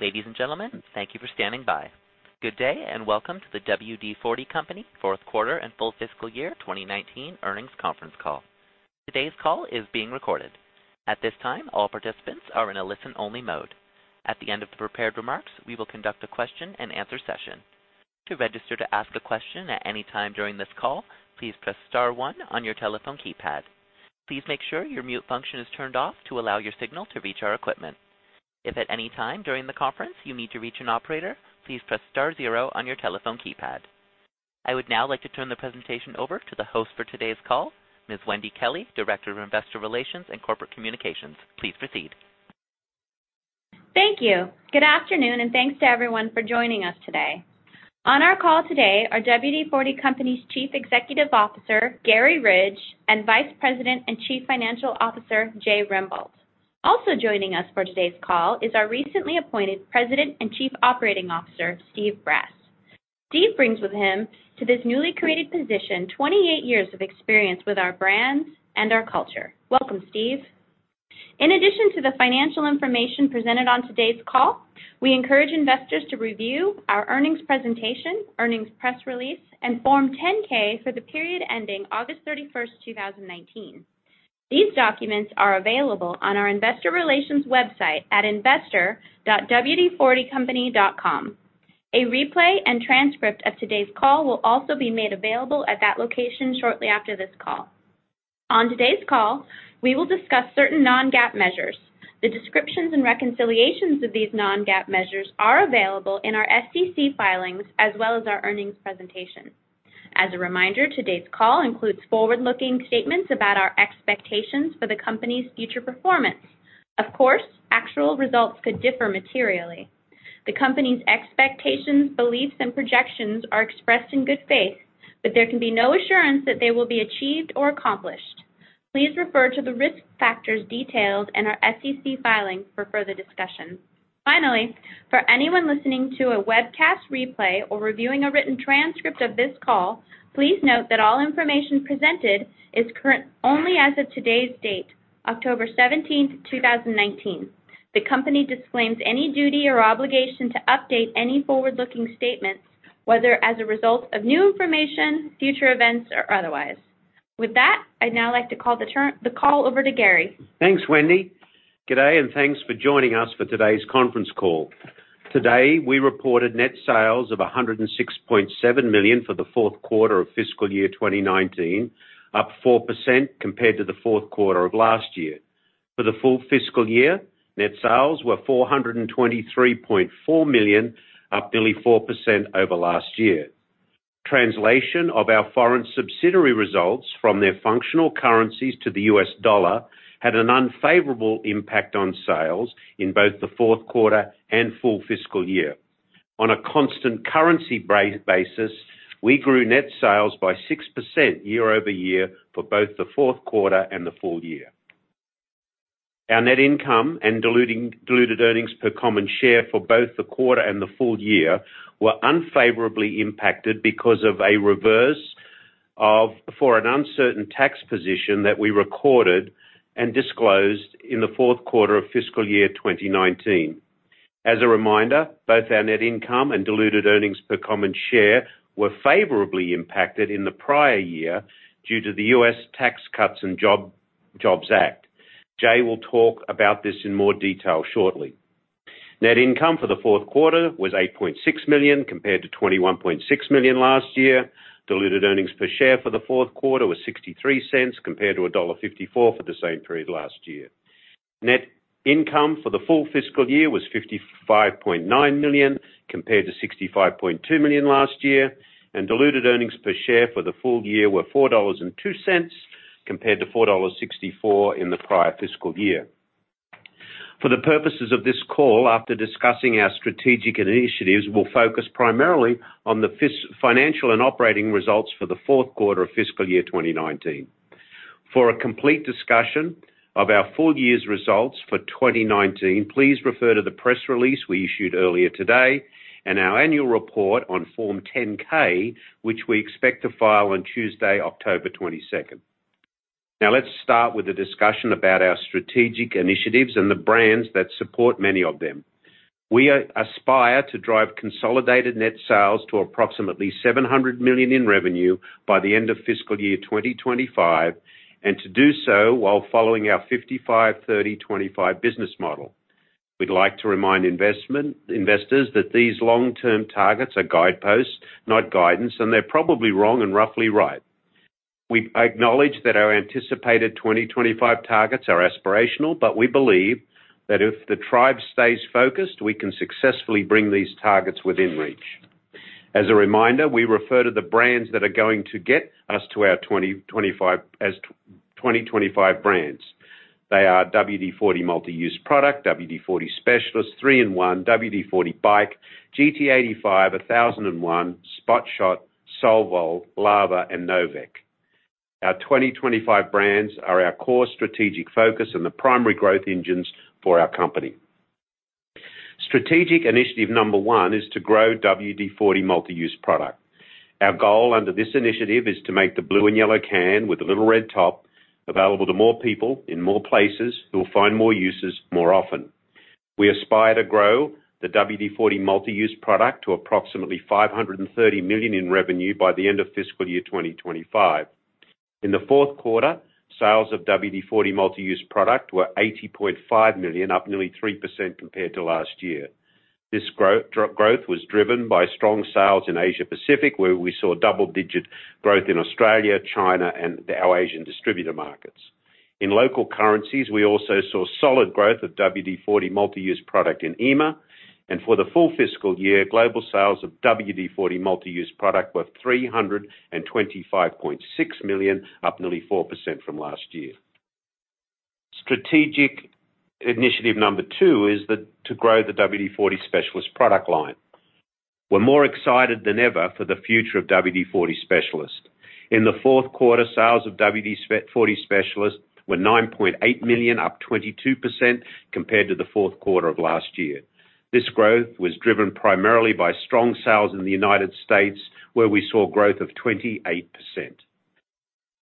Ladies and gentlemen, thank you for standing by. Good day, and welcome to the WD-40 Company fourth quarter and full fiscal year 2019 earnings conference call. Today's call is being recorded. At this time, all participants are in a listen-only mode. At the end of the prepared remarks, we will conduct a question and answer session. To register to ask a question at any time during this call, please press star one on your telephone keypad. Please make sure your mute function is turned off to allow your signal to reach our equipment. If at any time during the conference you need to reach an operator, please press star zero on your telephone keypad. I would now like to turn the presentation over to the host for today's call, Ms. Wendy Kelley, Director of Investor Relations and Corporate Communications. Please proceed. Thank you. Good afternoon, and thanks to everyone for joining us today. On our call today are WD-40 Company's Chief Executive Officer, Garry Ridge, and Vice President and Chief Financial Officer, Jay Rembolt. Also joining us for today's call is our recently appointed President and Chief Operating Officer, Steve Brass. Steve brings with him to this newly created position 28 years of experience with our brands and our culture. Welcome, Steve. In addition to the financial information presented on today's call, we encourage investors to review our earnings presentation, earnings press release, and Form 10-K for the period ending August 31st, 2019. These documents are available on our investor relations website at investor.wd40company.com. A replay and transcript of today's call will also be made available at that location shortly after this call. On today's call, we will discuss certain non-GAAP measures. The descriptions and reconciliations of these non-GAAP measures are available in our SEC filings as well as our earnings presentation. As a reminder, today's call includes forward-looking statements about our expectations for the company's future performance. Of course, actual results could differ materially. The company's expectations, beliefs, and projections are expressed in good faith, but there can be no assurance that they will be achieved or accomplished. Please refer to the risk factors detailed in our SEC filing for further discussion. Finally, for anyone listening to a webcast replay or reviewing a written transcript of this call, please note that all information presented is current only as of today's date, October 17th, 2019. The company disclaims any duty or obligation to update any forward-looking statements, whether as a result of new information, future events, or otherwise. With that, I'd now like to call the call over to Garry. Thanks, Wendy. Good day. Thanks for joining us for today's conference call. Today, we reported net sales of $106.7 million for the fourth quarter of fiscal year 2019, up 4% compared to the fourth quarter of last year. For the full fiscal year, net sales were $423.4 million, up nearly 4% over last year. Translation of our foreign subsidiary results from their functional currencies to the U.S. dollar had an unfavorable impact on sales in both the fourth quarter and full fiscal year. On a constant currency basis, we grew net sales by 6% year-over-year for both the fourth quarter and the full year. Our net income and diluted earnings per common share for both the quarter and the full year were unfavorably impacted because of a reserve for an uncertain tax position that we recorded and disclosed in the fourth quarter of fiscal year 2019. As a reminder, both our net income and diluted earnings per common share were favorably impacted in the prior year due to the U.S. Tax Cuts and Jobs Act. Jay will talk about this in more detail shortly. Net income for the fourth quarter was $8.6 million compared to $21.6 million last year. Diluted earnings per share for the fourth quarter were $0.63 compared to $1.54 for the same period last year. Net income for the full fiscal year was $55.9 million compared to $65.2 million last year, and diluted earnings per share for the full year were $4.02 compared to $4.64 in the prior fiscal year. For the purposes of this call, after discussing our strategic initiatives, we'll focus primarily on the financial and operating results for the fourth quarter of fiscal year 2019. For a complete discussion of our full year's results for 2019, please refer to the press release we issued earlier today and our annual report on Form 10-K, which we expect to file on Tuesday, October 22nd. Let's start with a discussion about our strategic initiatives and the brands that support many of them. We aspire to drive consolidated net sales to approximately $700 million in revenue by the end of fiscal year 2025, and to do so while following our 55/30/25 business model. We'd like to remind investors that these long-term targets are guideposts, not guidance, and they're probably wrong and roughly right. We acknowledge that our anticipated 2025 targets are aspirational, but we believe that if the tribe stays focused, we can successfully bring these targets within reach. As a reminder, we refer to the brands that are going to get us to our 2025 as 2025 brands. They are WD-40 Multi-Use Product, WD-40 Specialist, 3-IN-ONE, WD-40 BIKE, GT85, 1001, Spot Shot, Solvol, Lava, and no vac. Our 2025 brands are our core strategic focus and the primary growth engines for our company. Strategic initiative number one is to grow WD-40 Multi-Use Product. Our goal under this initiative is to make the blue and yellow can with the little red top available to more people in more places who will find more uses more often. We aspire to grow the WD-40 Multi-Use Product to approximately $530 million in revenue by the end of fiscal year 2025. In the fourth quarter, sales of WD-40 Multi-Use Product were $80.5 million, up nearly 3% compared to last year. This growth was driven by strong sales in Asia Pacific, where we saw double-digit growth in Australia, China, and our Asian distributor markets. In local currencies, we also saw solid growth of WD-40 Multi-Use Product in EMA. For the full fiscal year, global sales of WD-40 Multi-Use Product were $325.6 million, up nearly 4% from last year. Strategic initiative number 2 is to grow the WD-40 Specialist Product line. We're more excited than ever for the future of WD-40 Specialist. In the fourth quarter, sales of WD-40 Specialist were $9.8 million, up 22% compared to the fourth quarter of last year. This growth was driven primarily by strong sales in the United States, where we saw growth of 28%.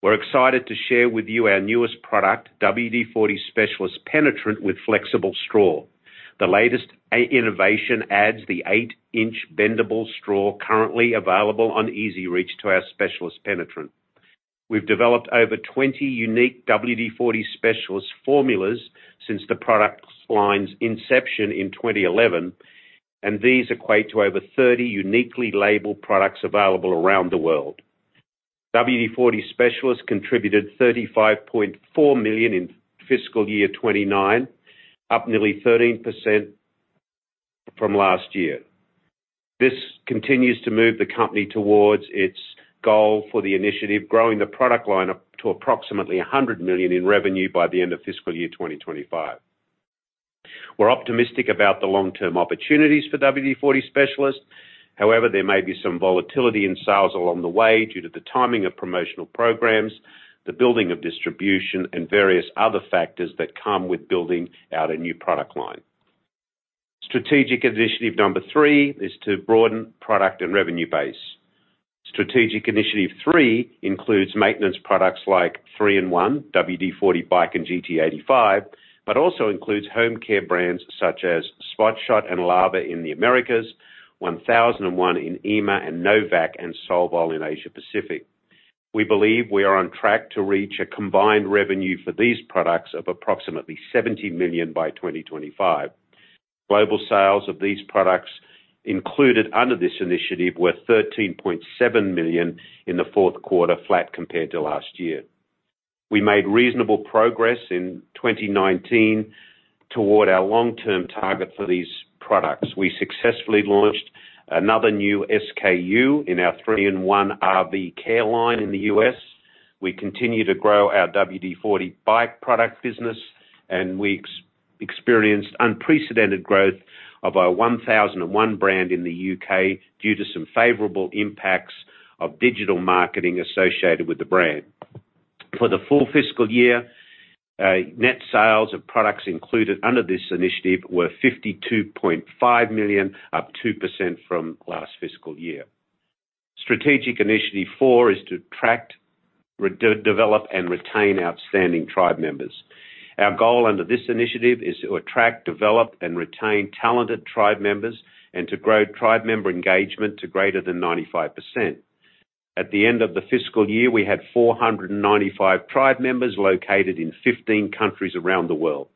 We're excited to share with you our newest product, WD-40 Specialist Penetrant with flexible straw. The latest innovation adds the eight-inch bendable straw currently available on EZ-REACH to our Specialist Penetrant. We've developed over 20 unique WD-40 Specialist formulas since the product line's inception in 2011, and these equate to over 30 uniquely labeled products available around the world. WD-40 Specialist contributed $35.4 million in fiscal year 2019, up nearly 13% from last year. This continues to move the company towards its goal for the initiative, growing the product line up to approximately $100 million in revenue by the end of fiscal year 2025. However, there may be some volatility in sales along the way due to the timing of promotional programs, the building of distribution, and various other factors that come with building out a new product line. Strategic initiative number three is to broaden product and revenue base. Strategic initiative three includes maintenance products like 3-IN-ONE, WD-40 Bike, and GT85, also includes home care brands such as Spot Shot and Lava in the Americas, 1001 in EMA, and no vac and Solvol in Asia Pacific. We believe we are on track to reach a combined revenue for these products of approximately $70 million by 2025. Global sales of these products included under this initiative were $13.7 million in the fourth quarter, flat compared to last year. We made reasonable progress in 2019 toward our long-term target for these products. We successfully launched another new SKU in our 3-IN-ONE RVcare line in the U.S. We continue to grow our WD-40 Bike product business, we experienced unprecedented growth of our 1001 brand in the U.K. due to some favorable impacts of digital marketing associated with the brand. For the full fiscal year, net sales of products included under this initiative were $52.5 million, up 2% from last fiscal year. Strategic Initiative Four is to attract, develop, and retain outstanding tribe members. Our goal under this initiative is to attract, develop, and retain talented tribe members and to grow tribe member engagement to greater than 95%. At the end of the fiscal year, we had 495 tribe members located in 15 countries around the world.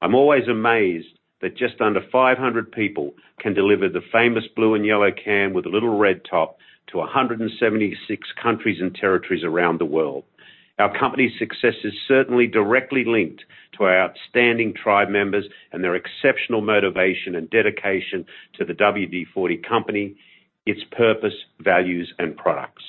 I'm always amazed that just under 500 people can deliver the famous blue and yellow can with a little red top to 176 countries and territories around the world. Our company's success is certainly directly linked to our outstanding tribe members and their exceptional motivation and dedication to the WD-40 Company, its purpose, values, and products.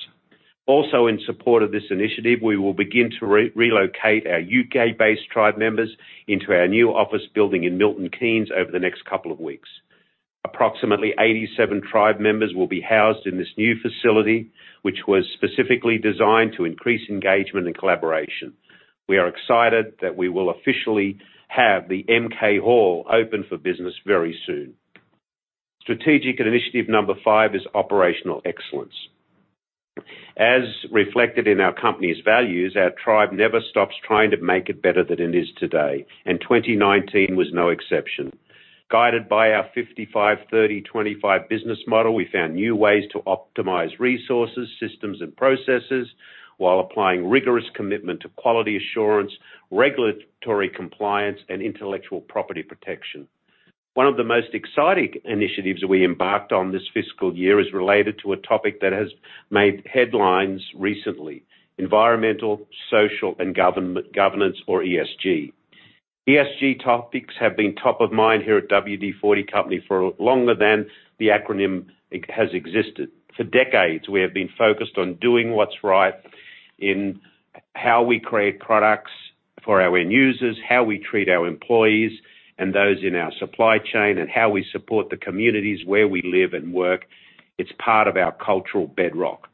Also, in support of this initiative, we will begin to relocate our U.K.-based tribe members into our new office building in Milton Keynes over the next couple of weeks. Approximately 87 tribe members will be housed in this new facility, which was specifically designed to increase engagement and collaboration. We are excited that we will officially have the MK Hall open for business very soon. Strategic Initiative Number 5 is operational excellence. As reflected in our company's values, our tribe never stops trying to make it better than it is today, and 2019 was no exception. Guided by our 55/30/25 business model, we found new ways to optimize resources, systems, and processes while applying rigorous commitment to quality assurance, regulatory compliance, and intellectual property protection. One of the most exciting initiatives we embarked on this fiscal year is related to a topic that has made headlines recently, environmental, social, and governance, or ESG. ESG topics have been top of mind here at WD-40 Company for longer than the acronym has existed. For decades, we have been focused on doing what's right in how we create products for our end users, how we treat our employees and those in our supply chain, and how we support the communities where we live and work. It's part of our cultural bedrock.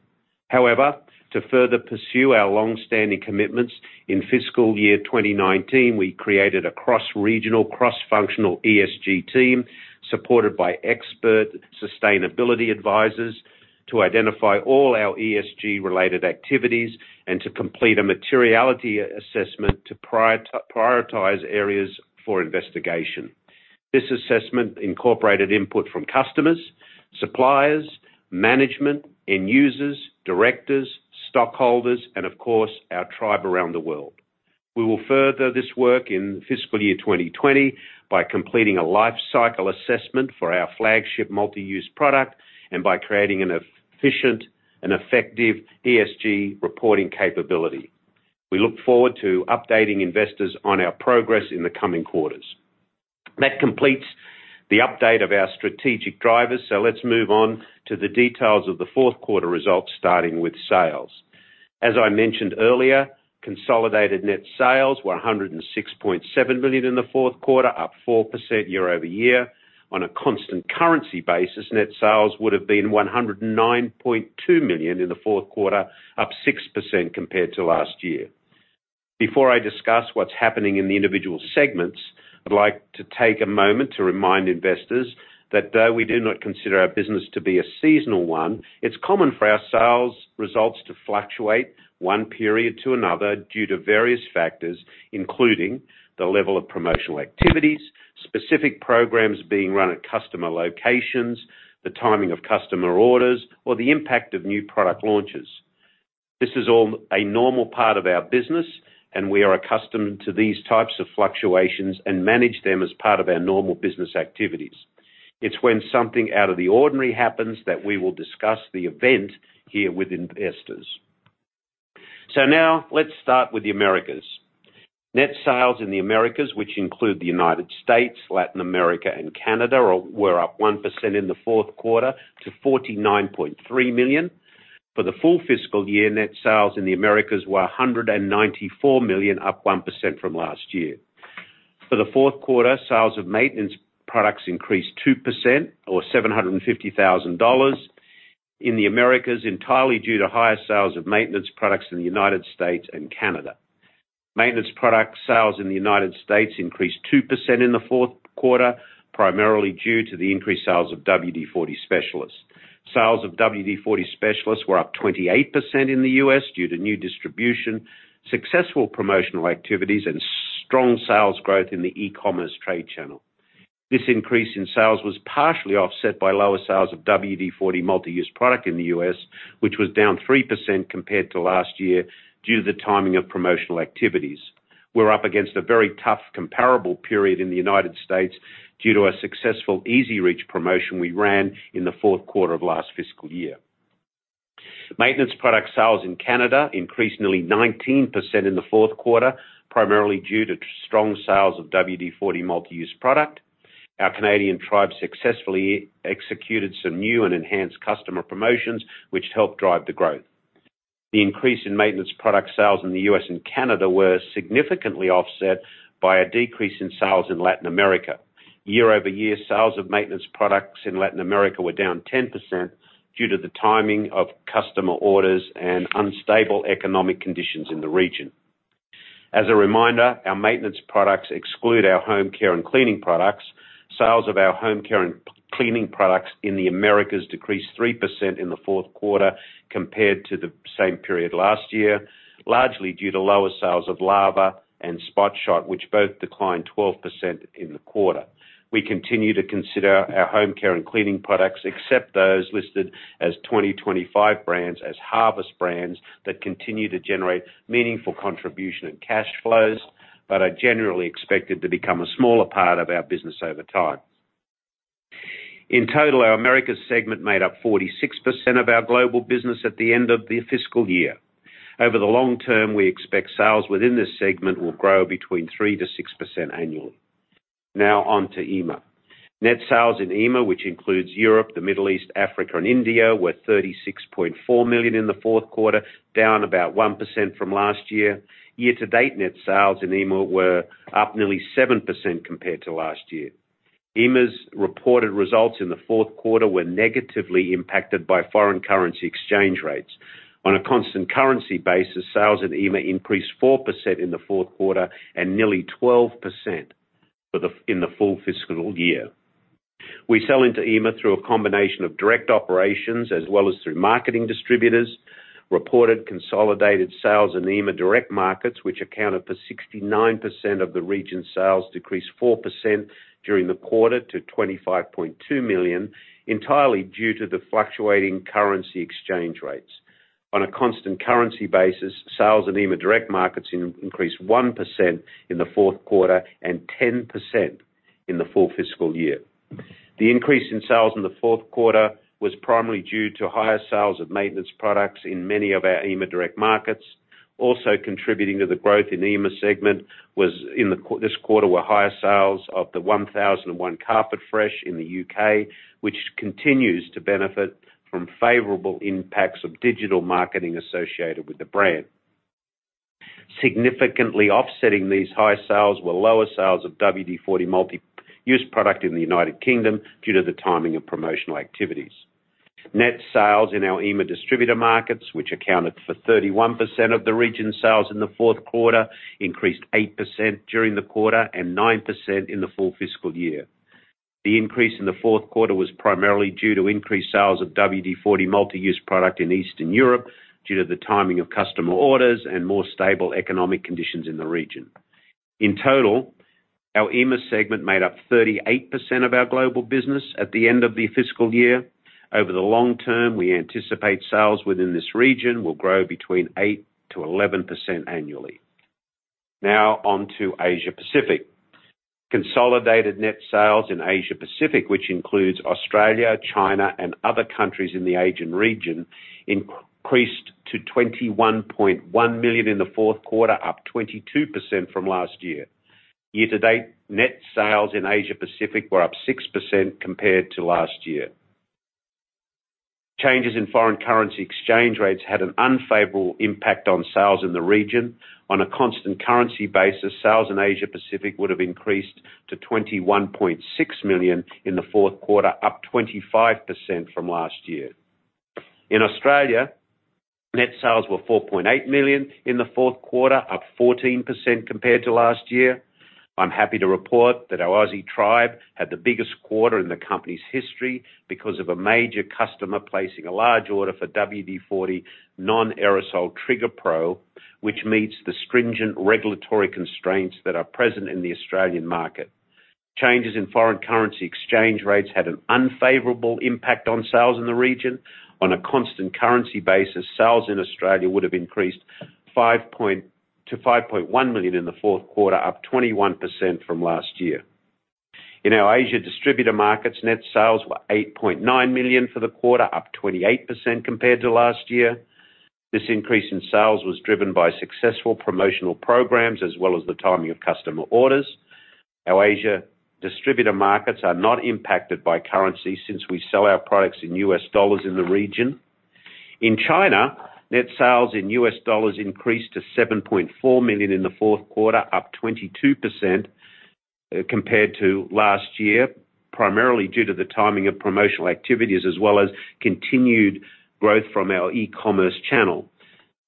However, to further pursue our long-standing commitments, in fiscal year 2019, we created a cross-regional, cross-functional ESG team supported by expert sustainability advisors to identify all our ESG-related activities and to complete a materiality assessment to prioritize areas for investigation. This assessment incorporated input from customers, suppliers, management, end users, directors, stockholders, and of course, our tribe around the world. We will further this work in fiscal year 2020 by completing a life cycle assessment for our flagship Multi-Use Product and by creating an efficient and effective ESG reporting capability. We look forward to updating investors on our progress in the coming quarters. That completes the update of our strategic drivers. Let's move on to the details of the fourth quarter results, starting with sales. As I mentioned earlier, consolidated net sales were $106.7 million in the fourth quarter, up 4% year-over-year. On a constant currency basis, net sales would have been $109.2 million in the fourth quarter, up 6% compared to last year. Before I discuss what's happening in the individual segments, I'd like to take a moment to remind investors that though we do not consider our business to be a seasonal one, it's common for our sales results to fluctuate one period to another due to various factors, including the level of promotional activities, specific programs being run at customer locations, the timing of customer orders, or the impact of new product launches. This is all a normal part of our business, and we are accustomed to these types of fluctuations and manage them as part of our normal business activities. It's when something out of the ordinary happens that we will discuss the event here with investors. Now let's start with the Americas. Net sales in the Americas, which include the United States, Latin America, and Canada, were up 1% in the fourth quarter to $49.3 million. For the full fiscal year, net sales in the Americas were $194 million, up 1% from last year. For the fourth quarter, sales of maintenance products increased 2%, or $750,000 in the Americas, entirely due to higher sales of maintenance products in the United States and Canada. Maintenance product sales in the United States increased 2% in the fourth quarter, primarily due to the increased sales of WD-40 Specialist. Sales of WD-40 Specialist were up 28% in the U.S. due to new distribution, successful promotional activities, and strong sales growth in the e-commerce trade channel. This increase in sales was partially offset by lower sales of WD-40 Multi-Use Product in the U.S., which was down 3% compared to last year due to the timing of promotional activities. We're up against a very tough comparable period in the U.S. due to a successful EZ-REACH promotion we ran in the fourth quarter of last fiscal year. Maintenance product sales in Canada increased nearly 19% in the fourth quarter, primarily due to strong sales of WD-40 Multi-Use Product. Our Canadian tribe successfully executed some new and enhanced customer promotions, which helped drive the growth. The increase in maintenance product sales in the U.S. and Canada were significantly offset by a decrease in sales in Latin America. Year-over-year, sales of maintenance products in Latin America were down 10% due to the timing of customer orders and unstable economic conditions in the region. As a reminder, our maintenance products exclude our home care and cleaning products. Sales of our home care and cleaning products in the Americas decreased 3% in the fourth quarter compared to the same period last year, largely due to lower sales of Lava and Spot Shot, which both declined 12% in the quarter. We continue to consider our home care and cleaning products, except those listed as 2025 brands, as harvest brands that continue to generate meaningful contribution and cash flows, but are generally expected to become a smaller part of our business over time. In total, our Americas segment made up 46% of our global business at the end of the fiscal year. Over the long term, we expect sales within this segment will grow between 3% to 6% annually. Now on to EMEA. Net sales in EMEA, which includes Europe, the Middle East, Africa, and India, were $36.4 million in the fourth quarter, down about 1% from last year. Year to date, net sales in EMEA were up nearly 7% compared to last year. EMEA's reported results in the fourth quarter were negatively impacted by foreign currency exchange rates. On a constant currency basis, sales at EMEA increased 4% in the fourth quarter and nearly 12% in the full fiscal year. We sell into EMEA through a combination of direct operations as well as through marketing distributors. Reported consolidated sales in EMEA direct markets, which accounted for 69% of the region's sales, decreased 4% during the quarter to $25.2 million, entirely due to the fluctuating currency exchange rates. On a constant currency basis, sales in EMEA direct markets increased 1% in the fourth quarter and 10% in the full fiscal year. The increase in sales in the fourth quarter was primarily due to higher sales of maintenance products in many of our EMEA direct markets. Also contributing to the growth in EMEA segment this quarter were higher sales of the 1001 Carpet Fresh in the U.K., which continues to benefit from favorable impacts of digital marketing associated with the brand. Significantly offsetting these high sales were lower sales of WD-40 Multi-Use Product in the United Kingdom due to the timing of promotional activities. Net sales in our EMEA distributor markets, which accounted for 31% of the region's sales in the fourth quarter, increased 8% during the quarter and 9% in the full fiscal year. The increase in the fourth quarter was primarily due to increased sales of WD-40 Multi-Use Product in Eastern Europe due to the timing of customer orders and more stable economic conditions in the region. In total, our EMEA segment made up 38% of our global business at the end of the fiscal year. Over the long term, we anticipate sales within this region will grow between 8% to 11% annually. On to Asia Pacific. Consolidated net sales in Asia Pacific, which includes Australia, China, and other countries in the Asian region, increased to $21.1 million in the fourth quarter, up 22% from last year. Year to date, net sales in Asia Pacific were up 6% compared to last year. Changes in foreign currency exchange rates had an unfavorable impact on sales in the region. On a constant currency basis, sales in Asia Pacific would have increased to $21.6 million in the fourth quarter, up 25% from last year. In Australia, net sales were $4.8 million in the fourth quarter, up 14% compared to last year. I'm happy to report that our Aussie tribe had the biggest quarter in the company's history because of a major customer placing a large order for WD-40 non-aerosol Trigger Pro, which meets the stringent regulatory constraints that are present in the Australian market. Changes in foreign currency exchange rates had an unfavorable impact on sales in the region. On a constant currency basis, sales in Australia would have increased to $5.1 million in the fourth quarter, up 21% from last year. In our Asia distributor markets, net sales were $8.9 million for the quarter, up 28% compared to last year. This increase in sales was driven by successful promotional programs as well as the timing of customer orders. Our Asia distributor markets are not impacted by currency since we sell our products in US dollars in the region. In China, net sales in U.S. dollars increased to $7.4 million in the fourth quarter, up 22% compared to last year, primarily due to the timing of promotional activities as well as continued growth from our e-commerce channel.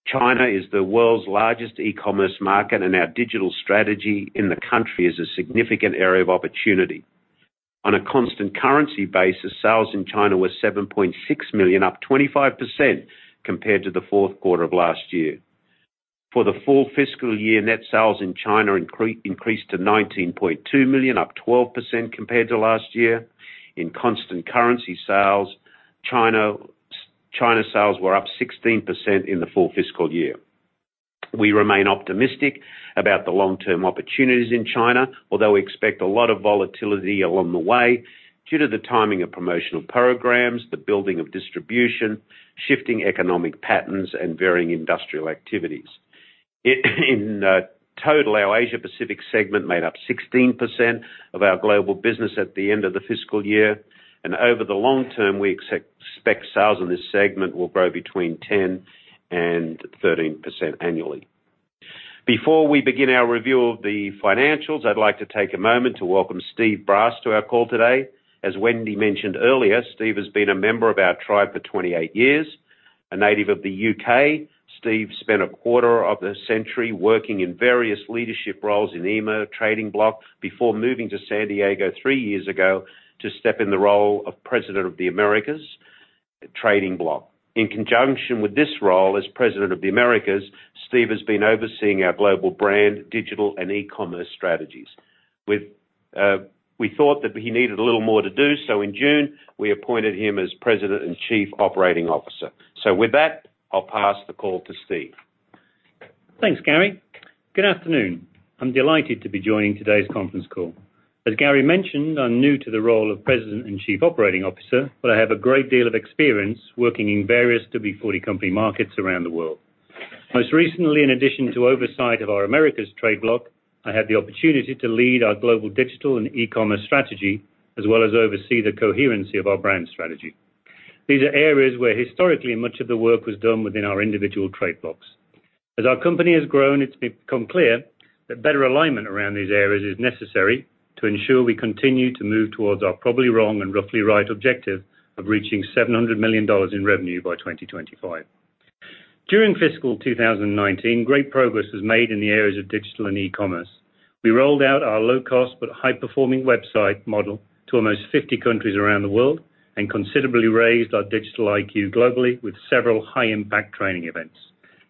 China is the world's largest e-commerce market, and our digital strategy in the country is a significant area of opportunity. On a constant currency basis, sales in China were $7.6 million, up 25% compared to the fourth quarter of last year. For the full fiscal year, net sales in China increased to $19.2 million, up 12% compared to last year. In constant currency sales, China sales were up 16% in the full fiscal year. We remain optimistic about the long-term opportunities in China, although we expect a lot of volatility along the way due to the timing of promotional programs, the building of distribution, shifting economic patterns, and varying industrial activities. In total, our Asia Pacific Segment made up 16% of our global business at the end of the fiscal year, and over the long term, we expect sales in this segment will grow between 10% and 13% annually. Before we begin our review of the financials, I'd like to take a moment to welcome Steve Brass to our call today. As Wendy mentioned earlier, Steve has been a member of our tribe for 28 years. A native of the U.K., Steve spent a quarter of a century working in various leadership roles in the EMEA Trading Block before moving to San Diego three years ago to step in the role of President of the Americas Trading Block. In conjunction with this role as President of the Americas, Steve has been overseeing our global brand, digital, and e-commerce strategies. We thought that he needed a little more to do, so in June, we appointed him as President and Chief Operating Officer. With that, I'll pass the call to Steve. Thanks, Garry. Good afternoon. I'm delighted to be joining today's conference call. As Garry mentioned, I'm new to the role of President and Chief Operating Officer, but I have a great deal of experience working in various WD-40 Company markets around the world. Most recently, in addition to oversight of our Americas trade block, I had the opportunity to lead our global digital and e-commerce strategy, as well as oversee the coherency of our brand strategy. These are areas where historically much of the work was done within our individual trade blocks. As our company has grown, it's become clear that better alignment around these areas is necessary to ensure we continue to move towards our probably wrong and roughly right objective of reaching $700 million in revenue by 2025. During fiscal 2019, great progress was made in the areas of digital and e-commerce. We rolled out our low-cost but high-performing website model to almost 50 countries around the world and considerably raised our digital IQ globally with several high-impact training events.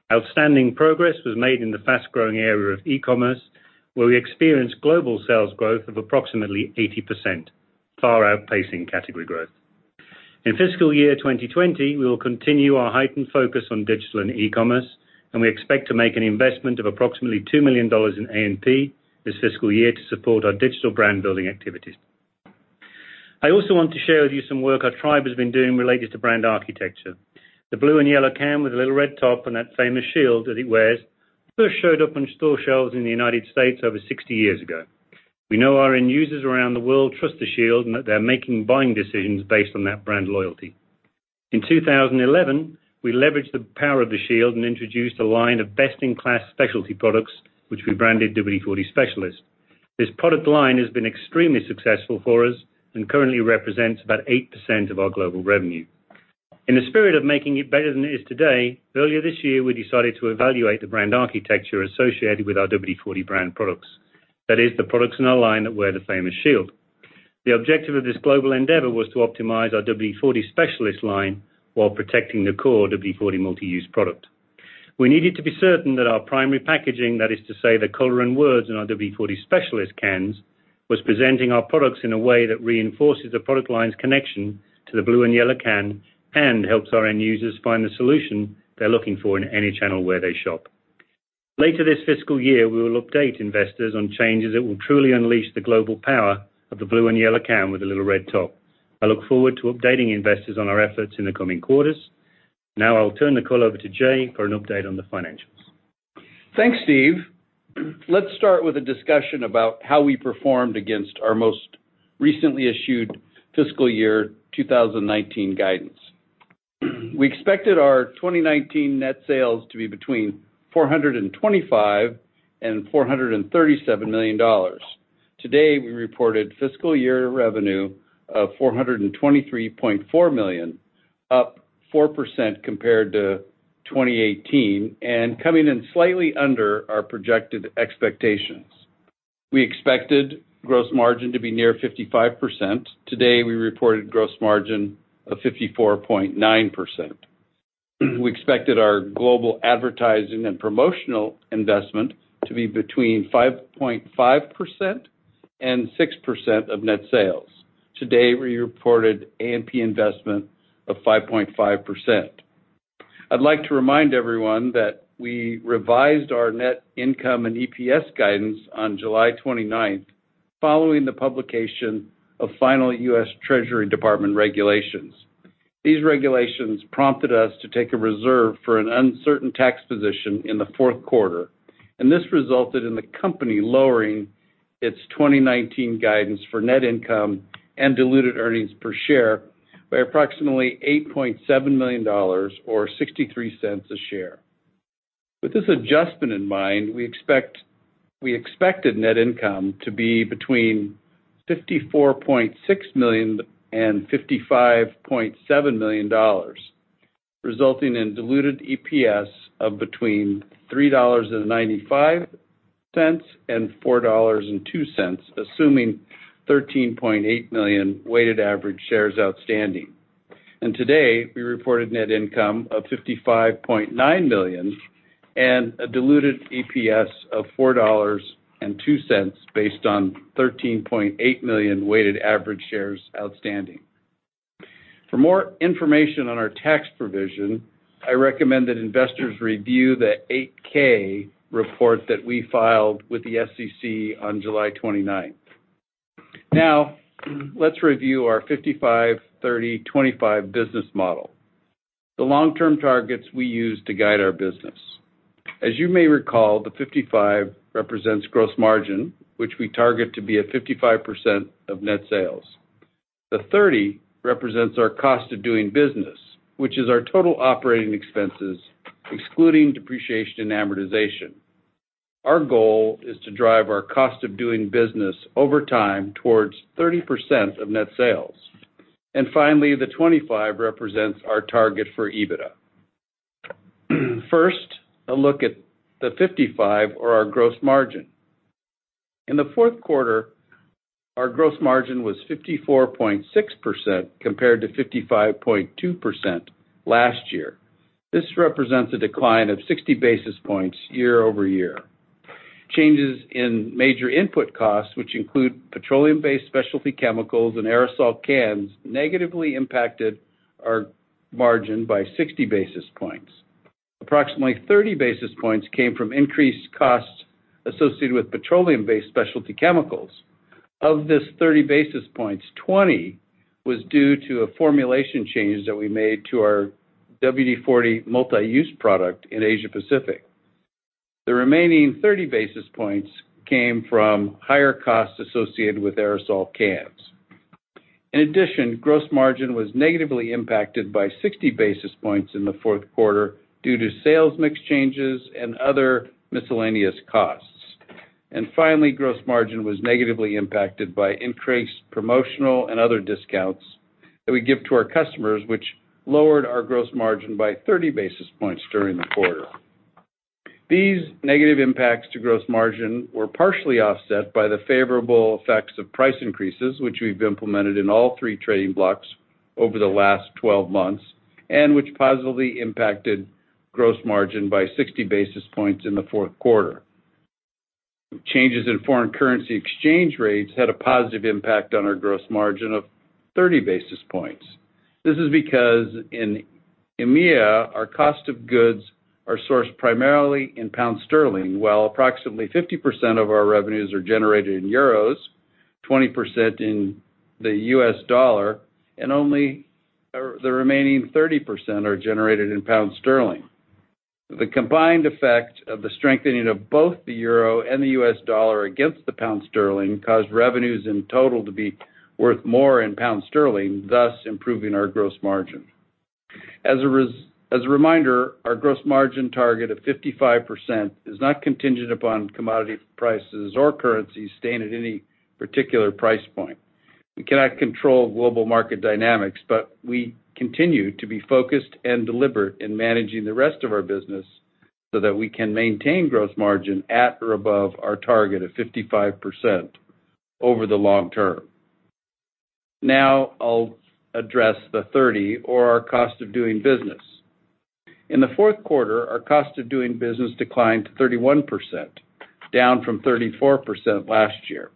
Outstanding progress was made in the fast-growing area of e-commerce, where we experienced global sales growth of approximately 80%, far outpacing category growth. In FY 2020, we will continue our heightened focus on digital and e-commerce. We expect to make an investment of approximately $2 million in A&P this fiscal year to support our digital brand-building activities. I also want to share with you some work our tribe has been doing related to brand architecture. The blue and yellow can with the little red top and that famous shield that it wears first showed up on store shelves in the U.S. over 60 years ago. We know our end users around the world trust the shield and that they're making buying decisions based on that brand loyalty. In 2011, we leveraged the power of the shield and introduced a line of best-in-class specialty products, which we branded WD-40 Specialist. This product line has been extremely successful for us and currently represents about 8% of our global revenue. In the spirit of making it better than it is today, earlier this year, we decided to evaluate the brand architecture associated with our WD-40 brand products. That is, the products in our line that wear the famous shield. The objective of this global endeavor was to optimize our WD-40 Specialist line while protecting the core WD-40 Multi-Use Product. We needed to be certain that our primary packaging, that is to say, the color and words in our WD-40 Specialist cans, was presenting our products in a way that reinforces the product line's connection to the blue and yellow can and helps our end users find the solution they're looking for in any channel where they shop. Later this fiscal year, we will update investors on changes that will truly unleash the global power of the blue and yellow can with a little red top. I look forward to updating investors on our efforts in the coming quarters. Now I'll turn the call over to Jay for an update on the financials. Thanks, Steve. Let's start with a discussion about how we performed against our most recently issued fiscal year 2019 guidance. We expected our 2019 net sales to be between $425 million and $437 million. Today, we reported fiscal year revenue of $423.4 million, up 4% compared to 2018, and coming in slightly under our projected expectations. We expected gross margin to be near 55%. Today, we reported gross margin of 54.9%. We expected our global advertising and promotional investment to be between 5.5% and 6% of net sales. Today, we reported A&P investment of 5.5%. I'd like to remind everyone that we revised our net income and EPS guidance on July 29th, following the publication of final U.S. Department of the Treasury regulations. These regulations prompted us to take a reserve for an uncertain tax position in the fourth quarter. This resulted in the company lowering its 2019 guidance for net income and diluted earnings per share by approximately $8.7 million or $0.63 a share. With this adjustment in mind, we expected net income to be between $54.6 million and $55.7 million, resulting in diluted EPS of between $3.95 and $4.02, assuming 13.8 million weighted average shares outstanding. Today, we reported net income of $55.9 million and a diluted EPS of $4.02 based on 13.8 million weighted average shares outstanding. For more information on our tax provision, I recommend that investors review the 8-K report that we filed with the SEC on July 29th. Let's review our 55/30/25 business model, the long-term targets we use to guide our business. As you may recall, the 55 represents gross margin, which we target to be at 55% of net sales. The 30 represents our cost of doing business, which is our total operating expenses, excluding depreciation and amortization. Our goal is to drive our cost of doing business over time towards 30% of net sales. Finally, the 25 represents our target for EBITDA. First, a look at the 55 or our gross margin. In the fourth quarter, our gross margin was 54.6% compared to 55.2% last year. This represents a decline of 60 basis points year-over-year. Changes in major input costs, which include petroleum-based specialty chemicals and aerosol cans, negatively impacted our margin by 60 basis points. Approximately 30 basis points came from increased costs associated with petroleum-based specialty chemicals. Of this 30 basis points, 20 was due to a formulation change that we made to our WD-40 Multi-Use Product in Asia-Pacific. The remaining 30 basis points came from higher costs associated with aerosol cans. In addition, gross margin was negatively impacted by 60 basis points in the fourth quarter due to sales mix changes and other miscellaneous costs. Finally, gross margin was negatively impacted by increased promotional and other discounts that we give to our customers, which lowered our gross margin by 30 basis points during the quarter. These negative impacts to gross margin were partially offset by the favorable effects of price increases, which we've implemented in all three trading blocks over the last 12 months and which positively impacted gross margin by 60 basis points in the fourth quarter. Changes in foreign currency exchange rates had a positive impact on our gross margin of 30 basis points. This is because in EMEA, our cost of goods are sourced primarily in GBP, while approximately 50% of our revenues are generated in EUR, 20% in USD, and only the remaining 30% are generated in GBP. The combined effect of the strengthening of both the EUR and the USD against the GBP caused revenues in total to be worth more in GBP, thus improving our gross margin. As a reminder, our gross margin target of 55% is not contingent upon commodity prices or currencies staying at any particular price point. We cannot control global market dynamics. We continue to be focused and deliberate in managing the rest of our business so that we can maintain gross margin at or above our target of 55% over the long term. Now I'll address the 30 or our cost of doing business. In the fourth quarter, our cost of doing business declined to 31%, down from 34% last year.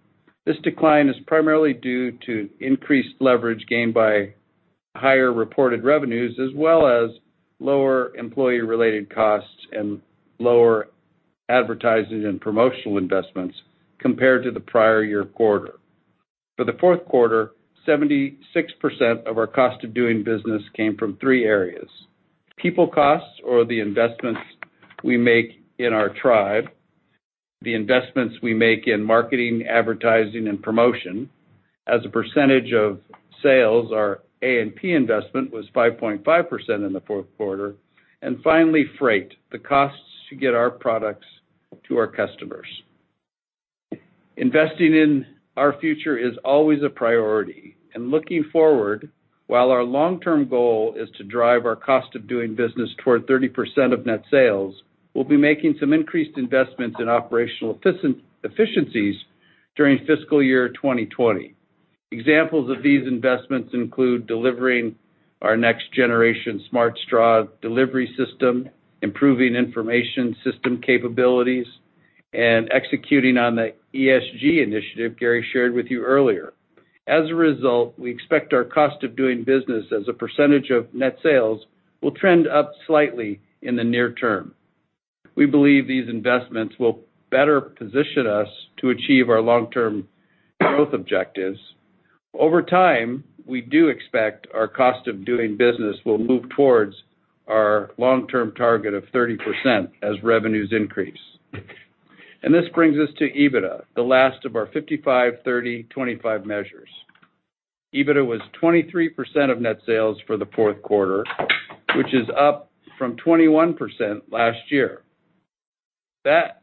This decline is primarily due to increased leverage gained by higher reported revenues, as well as lower employee-related costs and lower advertising and promotional investments compared to the prior year quarter. For the fourth quarter, 76% of our cost of doing business came from three areas. People costs, or the investments we make in our tribe, the investments we make in marketing, advertising, and promotion. As a percentage of sales, our A&P investment was 5.5% in the fourth quarter. Finally, freight, the costs to get our products to our customers. Investing in our future is always a priority. Looking forward, while our long-term goal is to drive our cost of doing business toward 30% of net sales, we'll be making some increased investments in operational efficiencies during fiscal year 2020. Examples of these investments include delivering our next generation Smart Straw delivery system, improving information system capabilities, and executing on the ESG initiative Garry shared with you earlier. As a result, we expect our cost of doing business as a percentage of net sales will trend up slightly in the near term. We believe these investments will better position us to achieve our long-term growth objectives. Over time, we do expect our cost of doing business will move towards our long-term target of 30% as revenues increase. This brings us to EBITDA, the last of our 55/30/25 measures. EBITDA was 23% of net sales for the fourth quarter, which is up from 21% last year. That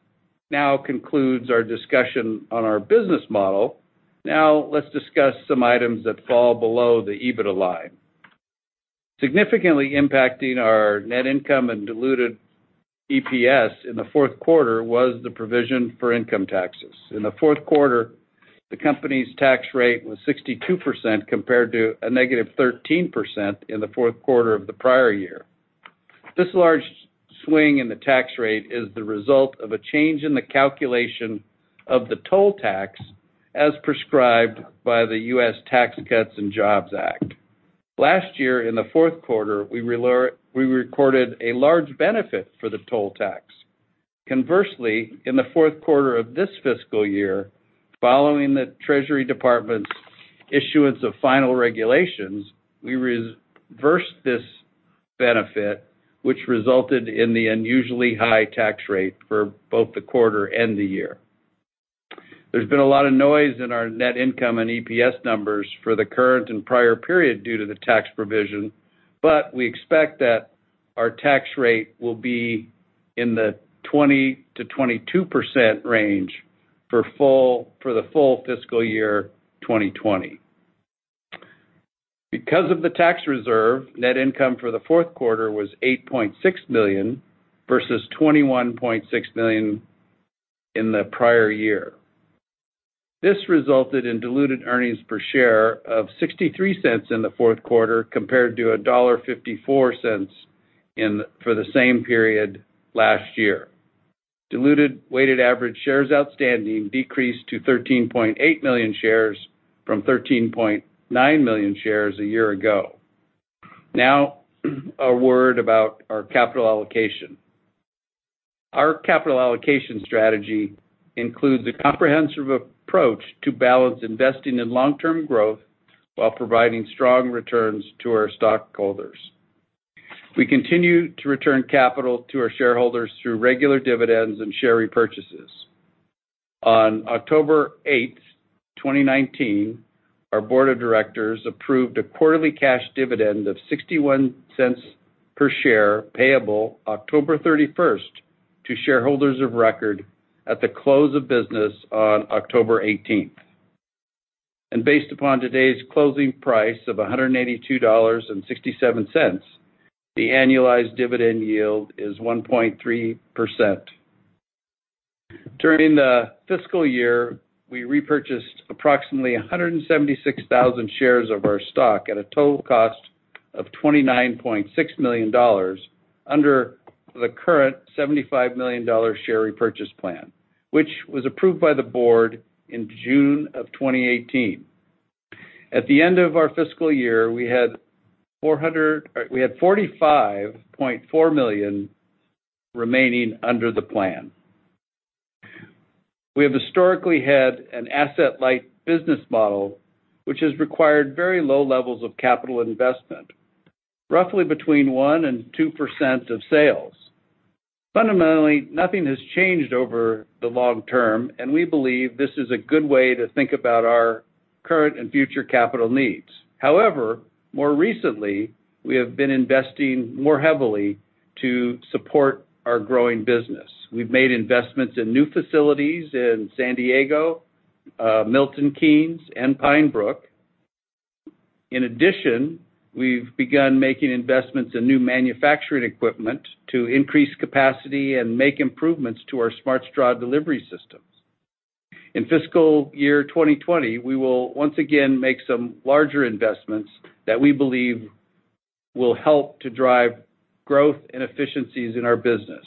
now concludes our discussion on our business model. Let's discuss some items that fall below the EBITDA line. Significantly impacting our net income and diluted EPS in the fourth quarter was the provision for income taxes. In the fourth quarter, the company's tax rate was 62% compared to a negative 13% in the fourth quarter of the prior year. This large swing in the tax rate is the result of a change in the calculation of the toll tax as prescribed by the U.S. Tax Cuts and Jobs Act. Last year in the fourth quarter, we recorded a large benefit for the toll tax. Conversely, in the fourth quarter of this fiscal year, following the Treasury Department's issuance of final regulations, we reversed this benefit, which resulted in the unusually high tax rate for both the quarter and the year. There's been a lot of noise in our net income and EPS numbers for the current and prior period due to the tax provision, but we expect that our tax rate will be in the 20%-22% range for the full fiscal year 2020. Because of the tax reserve, net income for the fourth quarter was $8.6 million, versus $21.6 million in the prior year. This resulted in diluted earnings per share of $0.63 in the fourth quarter, compared to $1.54 for the same period last year. Diluted weighted average shares outstanding decreased to 13.8 million shares from 13.9 million shares a year ago. Now, a word about our capital allocation. Our capital allocation strategy includes a comprehensive approach to balance investing in long-term growth while providing strong returns to our stockholders. We continue to return capital to our shareholders through regular dividends and share repurchases. On October 8, 2019, our board of directors approved a quarterly cash dividend of $0.61 per share payable October 31 to shareholders of record at the close of business on October 18. Based upon today's closing price of $182.67, the annualized dividend yield is 1.3%. During the fiscal year, we repurchased approximately 176,000 shares of our stock at a total cost of $29.6 million under the current $75 million share repurchase plan, which was approved by the board in June 2018. At the end of our fiscal year, we had $45.4 million remaining under the plan. We have historically had an asset-light business model, which has required very low levels of capital investment, roughly between 1%-2% of sales. Fundamentally, nothing has changed over the long term, and we believe this is a good way to think about our current and future capital needs. However, more recently, we have been investing more heavily to support our growing business. We've made investments in new facilities in San Diego, Milton Keynes, and Pine Brook. In addition, we've begun making investments in new manufacturing equipment to increase capacity and make improvements to our Smart Straw delivery systems. In fiscal year 2020, we will once again make some larger investments that we believe will help to drive growth and efficiencies in our business.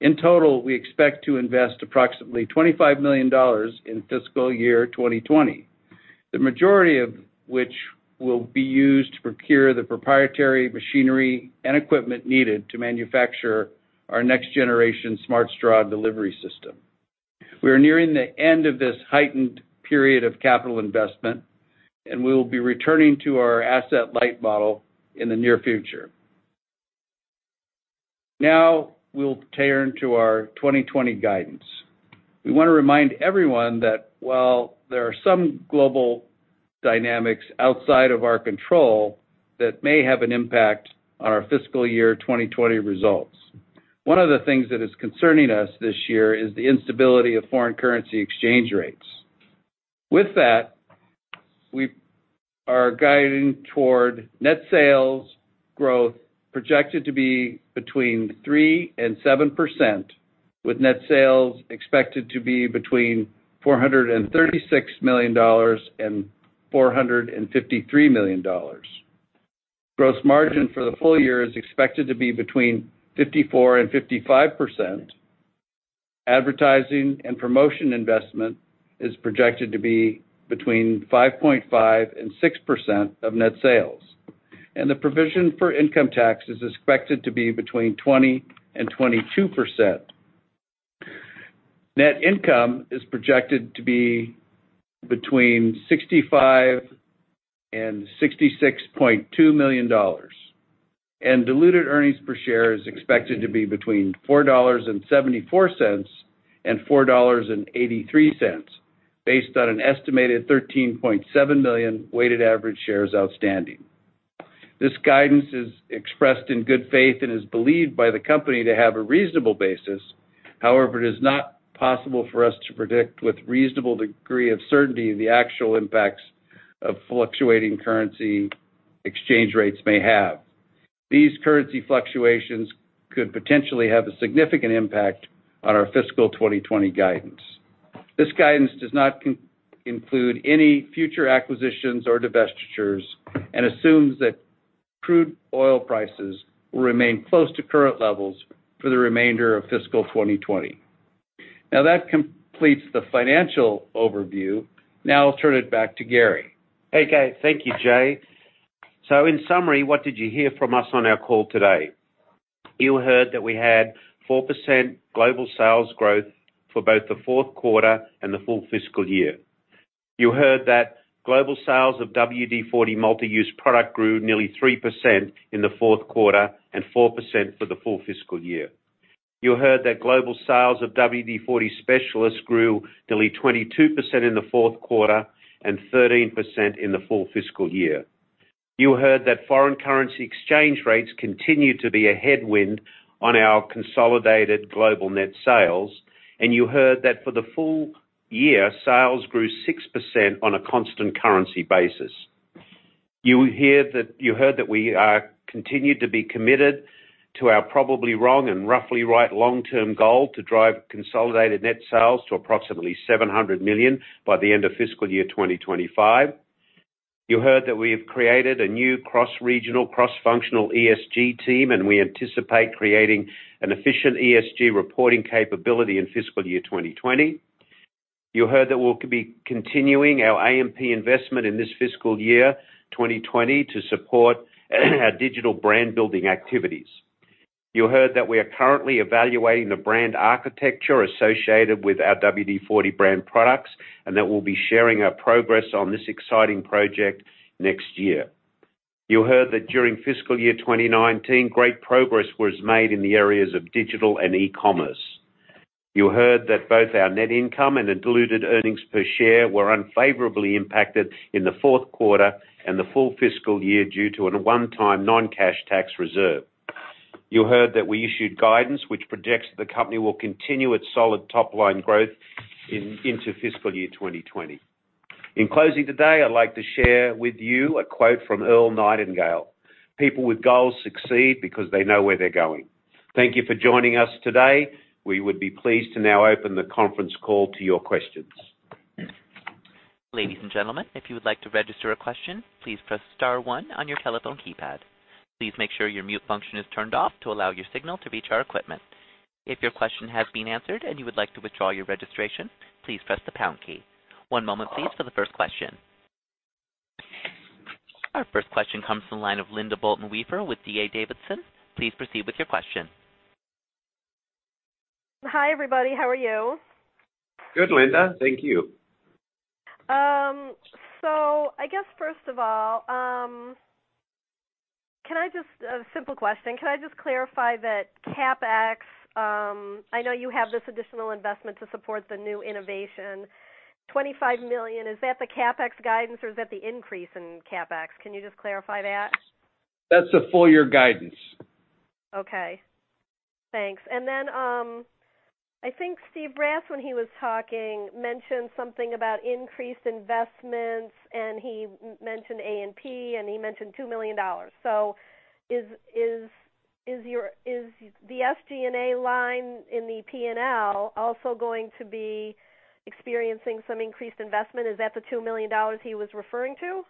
In total, we expect to invest approximately $25 million in fiscal year 2020, the majority of which will be used to procure the proprietary machinery and equipment needed to manufacture our next generation Smart Straw delivery system. We are nearing the end of this heightened period of capital investment, and we will be returning to our asset-light model in the near future. We'll turn to our 2020 guidance. We want to remind everyone that while there are some global dynamics outside of our control that may have an impact on our fiscal year 2020 results. One of the things that is concerning us this year is the instability of foreign currency exchange rates. We are guiding toward net sales growth projected to be between 3% and 7%, with net sales expected to be between $436 million and $453 million. Gross margin for the full year is expected to be between 54% and 55%. Advertising and promotion investment is projected to be between 5.5% and 6% of net sales. The provision for income tax is expected to be between 20% and 22%. Net income is projected to be between $65 million and $66.2 million. Diluted earnings per share is expected to be between $4.74 and $4.83, based on an estimated 13.7 million weighted average shares outstanding. This guidance is expressed in good faith and is believed by the company to have a reasonable basis. However, it is not possible for us to predict with reasonable degree of certainty the actual impacts a fluctuating currency exchange rates may have. These currency fluctuations could potentially have a significant impact on our fiscal 2020 guidance. This guidance does not include any future acquisitions or divestitures and assumes that crude oil prices will remain close to current levels for the remainder of fiscal 2020. That completes the financial overview. I'll turn it back to Garry. Thank you, Jay. In summary, what did you hear from us on our call today? You heard that we had 4% global sales growth for both the fourth quarter and the full fiscal year. You heard that global sales of WD-40 Multi-Use Product grew nearly 3% in the fourth quarter and 4% for the full fiscal year. You heard that global sales of WD-40 Specialist grew nearly 22% in the fourth quarter and 13% in the full fiscal year. You heard that foreign currency exchange rates continue to be a headwind on our consolidated global net sales, and you heard that for the full year, sales grew 6% on a constant currency basis. You heard that we are continued to be committed to our probably wrong and roughly right long-term goal to drive consolidated net sales to approximately $700 million by the end of fiscal year 2025. You heard that we have created a new cross-regional, cross-functional ESG team, and we anticipate creating an efficient ESG reporting capability in fiscal year 2020. You heard that we'll be continuing our A&P investment in this fiscal year 2020 to support our digital brand-building activities. You heard that we are currently evaluating the brand architecture associated with our WD-40 brand products and that we'll be sharing our progress on this exciting project next year. You heard that during fiscal year 2019, great progress was made in the areas of digital and e-commerce. You heard that both our net income and the diluted earnings per share were unfavorably impacted in the fourth quarter and the full fiscal year due to a one-time non-cash tax reserve. You heard that we issued guidance which projects that the company will continue its solid top-line growth into fiscal year 2020. In closing today, I'd like to share with you a quote from Earl Nightingale. "People with goals succeed because they know where they're going." Thank you for joining us today. We would be pleased to now open the conference call to your questions. Ladies and gentlemen, if you would like to register a question, please press star one on your telephone keypad. Please make sure your mute function is turned off to allow your signal to reach our equipment. If your question has been answered and you would like to withdraw your registration, please press the # key. One moment please for the first question. Our first question comes from the line of Linda Bolton-Weiser with D.A. Davidson. Please proceed with your question. Hi, everybody. How are you? Good, Linda. Thank you. I guess, first of all, a simple question. Can I just clarify that CapEx, I know you have this additional investment to support the new innovation. $25 million, is that the CapEx guidance or is that the increase in CapEx? Can you just clarify that? That's the full year guidance. Okay. Thanks. I think Steve Brass, when he was talking, mentioned something about increased investments, he mentioned A&P, and he mentioned $2 million. Is the SG&A line in the P&L also going to be experiencing some increased investment? Is that the $2 million he was referring to?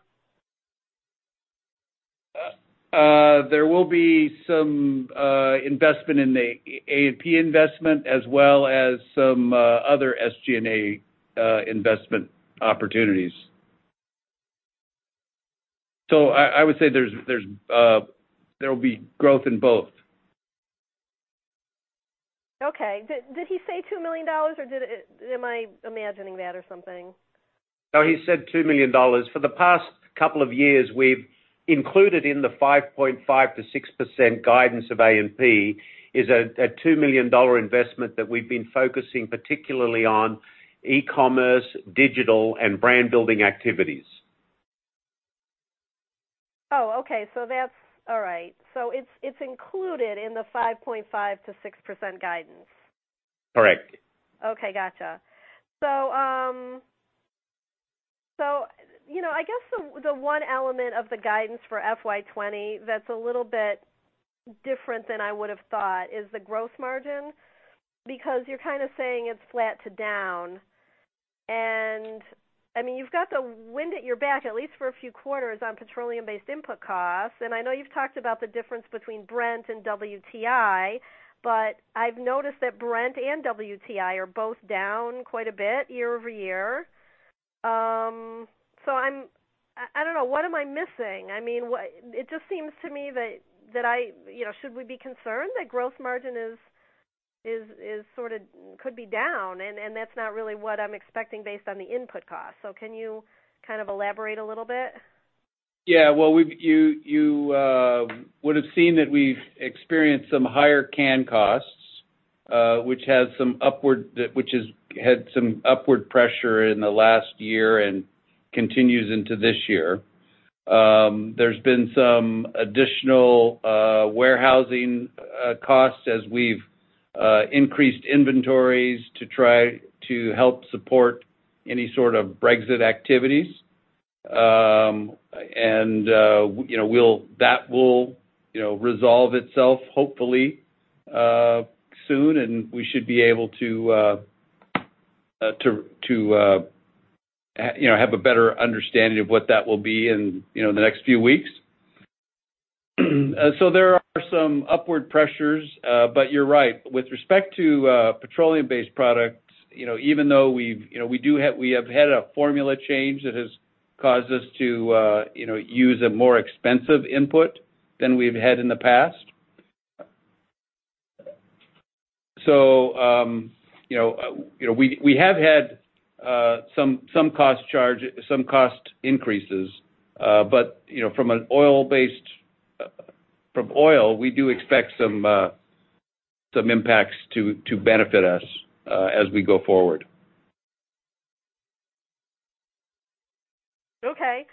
There will be some investment in the A&P investment, as well as some other SG&A investment opportunities. I would say there will be growth in both. Okay. Did he say $2 million, or am I imagining that or something? No, he said $2 million. For the past couple of years, we've included in the 5.5%-6% guidance of A&P is a $2 million investment that we've been focusing particularly on e-commerce, digital, and brand-building activities. Oh, okay. All right. It's included in the 5.5%-6% guidance. Correct. Okay, gotcha. I guess the one element of the guidance for FY 2020 that's a little bit different than I would've thought is the gross margin, because you're kind of saying it's flat to down. You've got the wind at your back, at least for a few quarters, on petroleum-based input costs. I know you've talked about the difference between Brent and WTI, I've noticed that Brent and WTI are both down quite a bit year-over-year. I don't know, what am I missing? It just seems to me that should we be concerned that gross margin could be down, and that's not really what I'm expecting based on the input costs. Can you kind of elaborate a little bit? Yeah. Well, you would've seen that we've experienced some higher can costs which has had some upward pressure in the last year and continues into this year. There's been some additional warehousing costs as we've increased inventories to try to help support any sort of Brexit activities. That will resolve itself hopefully soon, and we should be able to have a better understanding of what that will be in the next few weeks. There are some upward pressures. You're right. With respect to petroleum-based products, even though we have had a formula change that has caused us to use a more expensive input than we've had in the past. We have had some cost increases. From oil, we do expect some impacts to benefit us as we go forward. Okay.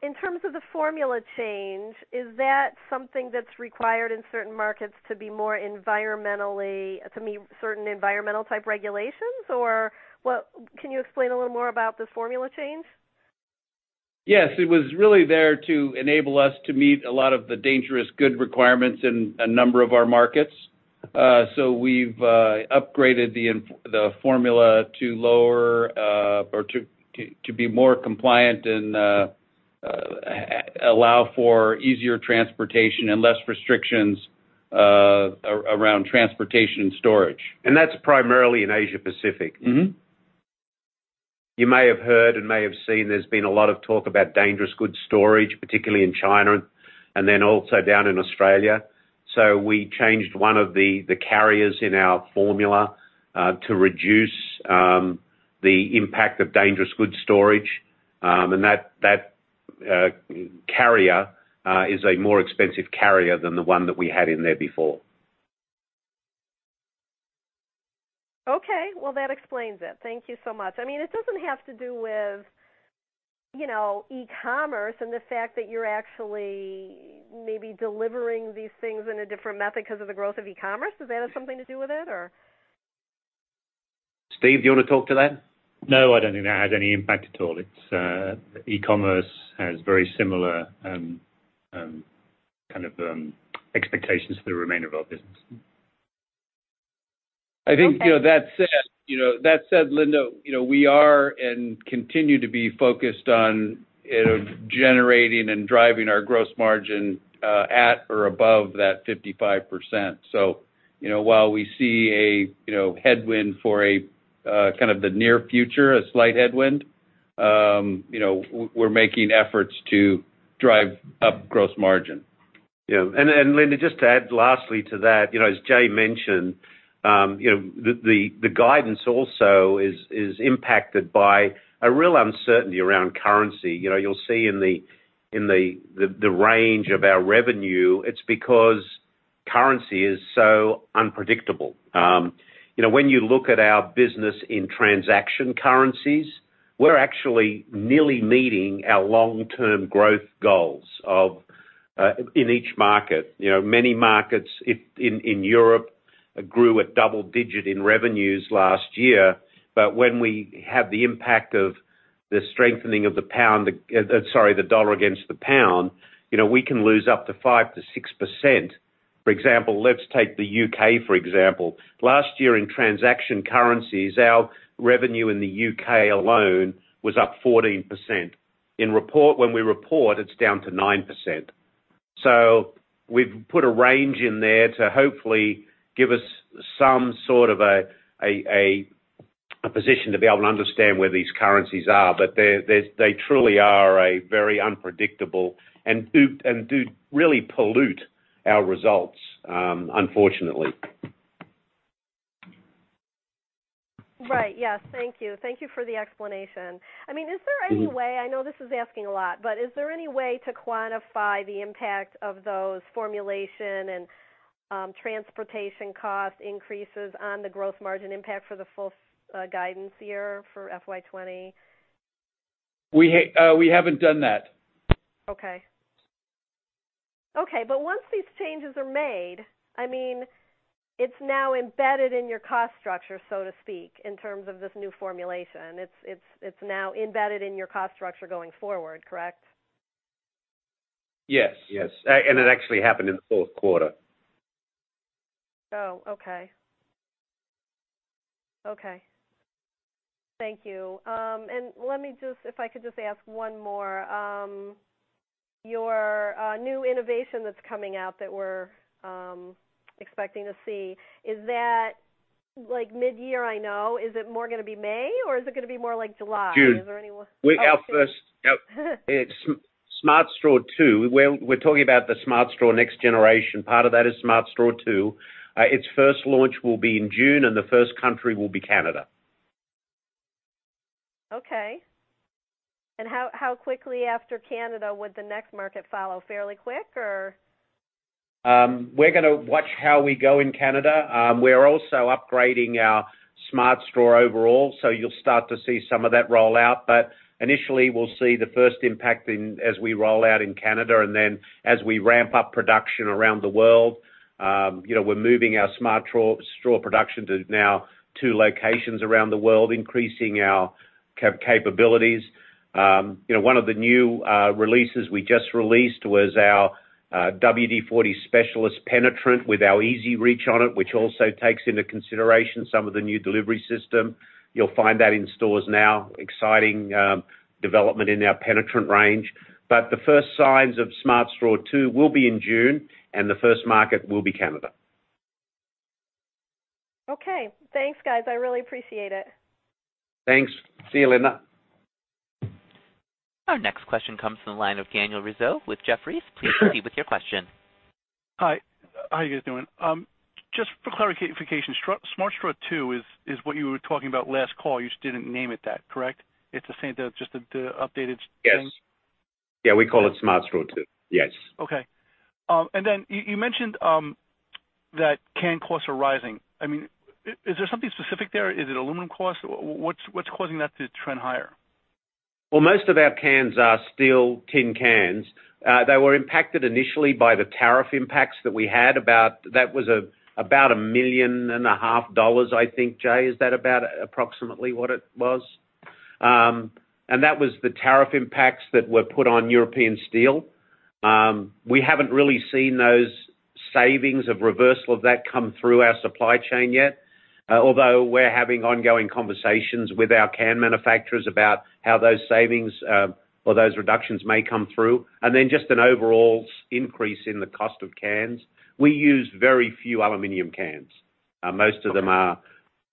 In terms of the formula change, is that something that's required in certain markets to meet certain environmental type regulations? Or can you explain a little more about the formula change? Yes. It was really there to enable us to meet a lot of the dangerous good requirements in a number of our markets. We've upgraded the formula to be more compliant and allow for easier transportation and less restrictions around transportation and storage. That's primarily in Asia Pacific. You may have heard and may have seen there's been a lot of talk about dangerous goods storage, particularly in China and then also down in Australia. We changed one of the carriers in our formula to reduce the impact of dangerous goods storage. That carrier is a more expensive carrier than the one that we had in there before. Okay. Well, that explains it. Thank you so much. It doesn't have to do with e-commerce and the fact that you're actually maybe delivering these things in a different method because of the growth of e-commerce. Does that have something to do with it, or? Steve, do you want to talk to that? No, I don't think that has any impact at all. E-commerce has very similar kind of expectations to the remainder of our business. Okay. I think that said, Linda, we are and continue to be focused on generating and driving our gross margin at or above that 55%. While we see a headwind for the near future, a slight headwind, we're making efforts to drive up gross margin. Yeah. Linda, just to add lastly to that, as Jay mentioned, the guidance also is impacted by a real uncertainty around currency. You'll see in the range of our revenue, it's because currency is so unpredictable. When you look at our business in transaction currencies, we're actually nearly meeting our long-term growth goals in each market. Many markets in Europe grew at double-digit in revenues last year. When we have the impact of the strengthening of the U.S. dollar against the pound sterling, we can lose up to 5%-6%. For example, let's take the U.K., for example. Last year in transaction currencies, our revenue in the U.K. alone was up 14%. When we report, it's down to 9%. We've put a range in there to hopefully give us some sort of a position to be able to understand where these currencies are. They truly are very unpredictable and do really pollute our results, unfortunately. Right. Yes. Thank you. Thank you for the explanation. I know this is asking a lot, but is there any way to quantify the impact of those formulation and transportation cost increases on the gross margin impact for the full guidance year for FY 2020? We haven't done that. Okay. Once these changes are made, it's now embedded in your cost structure, so to speak, in terms of this new formulation. It's now embedded in your cost structure going forward, correct? Yes. It actually happened in the fourth quarter. Oh, okay. Thank you. If I could just ask one more. Your new innovation that's coming out that we're expecting to see, is that mid-year, I know. Is it more going to be May, or is it going to be more like July? Is there anyone- June. Oh, June. It's Smart Straw 2. We're talking about the Smart Straw next generation. Part of that is Smart Straw 2. Its first launch will be in June. The first country will be Canada. Okay. How quickly after Canada would the next market follow? Fairly quick, or? We're going to watch how we go in Canada. We're also upgrading our Smart Straw overall. You'll start to see some of that roll out. Initially, we'll see the first impact as we roll out in Canada, and then as we ramp up production around the world. We're moving our Smart Straw production to now two locations around the world, increasing our capabilities. One of the new releases we just released was our WD-40 Specialist Penetrant with our EZ-REACH on it, which also takes into consideration some of the new delivery system. You'll find that in stores now. Exciting development in our penetrant range. The first signs of Smart Straw 2 will be in June, and the first market will be Canada. Okay. Thanks, guys. I really appreciate it. Thanks. See you, Linda. Our next question comes from the line of Daniel Rizzo with Jefferies. Please proceed with your question. Hi. How you guys doing? Just for clarification, Smart Straw 2 is what you were talking about last call, you just didn't name it that, correct? It's the same, just the updated thing? Yes. Yeah, we call it Smart Straw 2. Yes. Okay. Then you mentioned that can costs are rising. Is there something specific there? Is it aluminum costs? What's causing that to trend higher? Well, most of our cans are still tin cans. They were impacted initially by the tariff impacts that we had. That was about a million and a half dollars, I think. Jay, is that about approximately what it was? That was the tariff impacts that were put on European steel. We haven't really seen those savings of reversal of that come through our supply chain yet. Although we're having ongoing conversations with our can manufacturers about how those savings, or those reductions may come through. Just an overall increase in the cost of cans. We use very few aluminum cans. Okay. Most of them are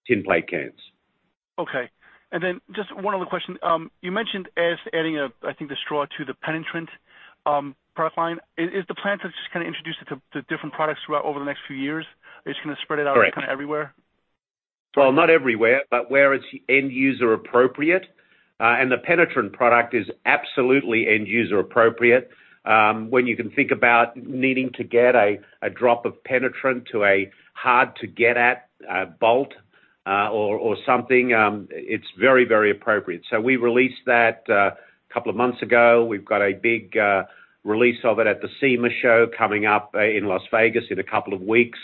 tin plate cans. Okay. Just one other question. You mentioned as adding, I think, the straw to the penetrant product line. Is the plan to just kind of introduce it to different products over the next few years? Are you just going to spread it out? Correct kind of everywhere? Well, not everywhere, but where it's end-user appropriate. The penetrant product is absolutely end-user appropriate. When you can think about needing to get a drop of penetrant to a hard-to-get-at bolt or something, it's very appropriate. We released that a couple of months ago. We've got a big release of it at the SEMA Show coming up in Las Vegas in a couple of weeks.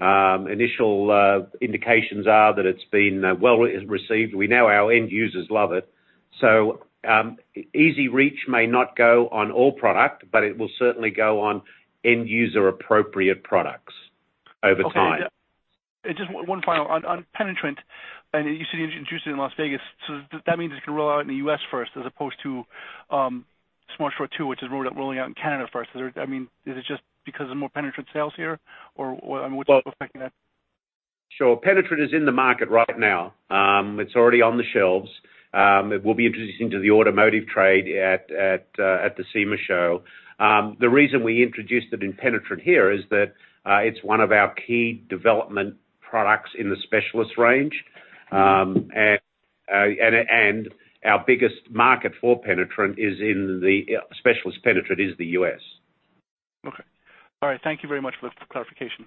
Initial indications are that it's been well received. We know our end users love it. EZ-REACH may not go on all product, but it will certainly go on end-user appropriate products over time. Just one final. On Penetrant, you said you introduced it in Las Vegas, so that means it's going to roll out in the U.S. first as opposed to Smart Straw 2, which is rolling out in Canada first. Is it just because of more Penetrant sales here? Or what's affecting that? Sure. Penetrant is in the market right now. It's already on the shelves. It will be introduced into the automotive trade at the SEMA Show. The reason we introduced it in Penetrant here is that it's one of our key development products in the Specialist range. Our biggest market for Specialist Penetrant is the U.S. Okay. All right. Thank you very much for the clarification.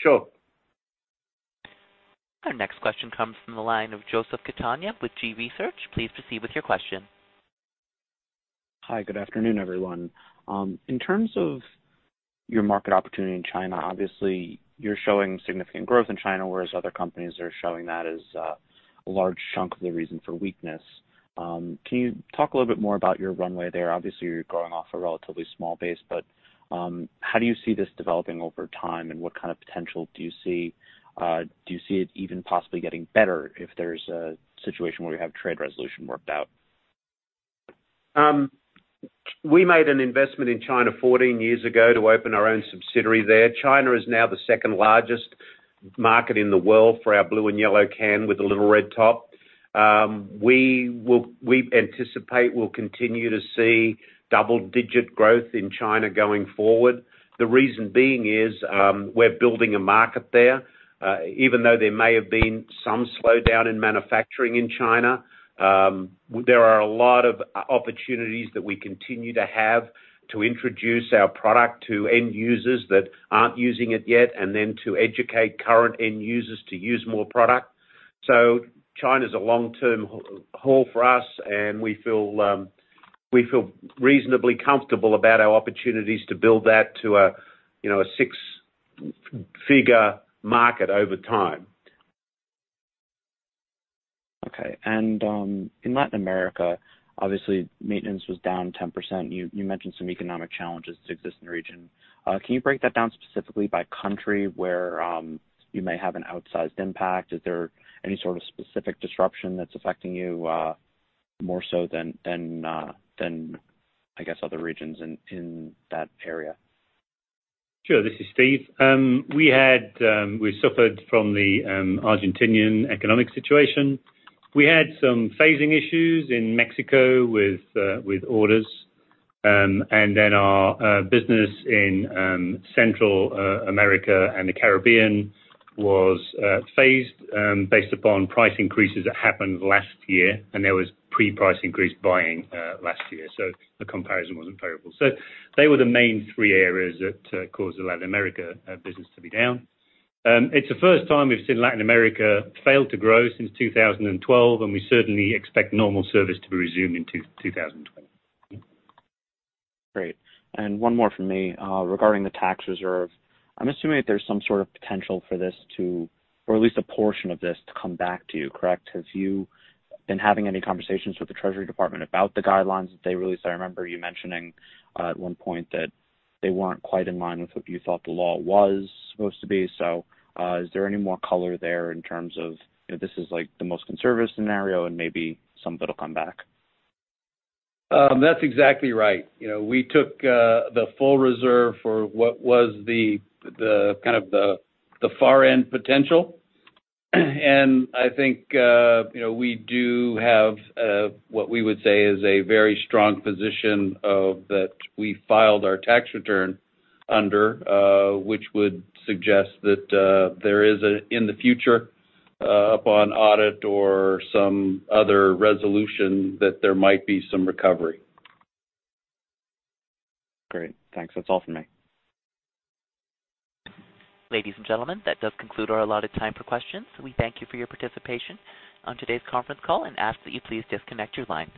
Sure. Our next question comes from the line of Joseph Catania with G.research. Please proceed with your question. Hi. Good afternoon, everyone. In terms of your market opportunity in China, obviously you're showing significant growth in China, whereas other companies are showing that as a large chunk of the reason for weakness. Can you talk a little bit more about your runway there? Obviously, you're growing off a relatively small base, but how do you see this developing over time, and what kind of potential do you see? Do you see it even possibly getting better if there's a situation where you have trade resolution worked out? We made an investment in China 14 years ago to open our own subsidiary there. China is now the second-largest market in the world for our blue and yellow can with a little red top. We anticipate we'll continue to see double-digit growth in China going forward. The reason being is, we're building a market there. Even though there may have been some slowdown in manufacturing in China, there are a lot of opportunities that we continue to have to introduce our product to end users that aren't using it yet, and then to educate current end users to use more product. China's a long-term haul for us, and we feel reasonably comfortable about our opportunities to build that to a six-figure market over time. Okay. In Latin America, obviously maintenance was down 10%. You mentioned some economic challenges that exist in the region. Can you break that down specifically by country where you may have an outsized impact? Is there any sort of specific disruption that's affecting you more so than other regions in that area? Sure. This is Steve. We suffered from the Argentinian economic situation. We had some phasing issues in Mexico with orders. Our business in Central America and the Caribbean was phased based upon price increases that happened last year, and there was pre-price increase buying last year. The comparison wasn't favorable. They were the main three areas that caused the Latin America business to be down. It's the first time we've seen Latin America fail to grow since 2012, and we certainly expect normal service to be resumed in 2020. Great. One more from me. Regarding the tax reserve, I'm assuming that there's some sort of potential for this to, or at least a portion of this, to come back to you, correct? Have you been having any conversations with the Treasury Department about the guidelines that they released? I remember you mentioning at one point that they weren't quite in line with what you thought the law was supposed to be. Is there any more color there in terms of, this is the most conservative scenario and maybe some of it'll come back? That's exactly right. We took the full reserve for what was the far end potential. I think we do have what we would say is a very strong position that we filed our tax return under, which would suggest that there is, in the future, upon audit or some other resolution, that there might be some recovery. Great. Thanks. That's all from me. Ladies and gentlemen, that does conclude our allotted time for questions. We thank you for your participation on today's conference call and ask that you please disconnect your line.